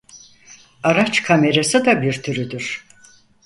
Araç kamerası da bir türüdür.